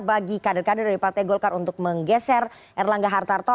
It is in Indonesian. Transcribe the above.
bagi kader kader dari partai golkar untuk menggeser erlangga hartarto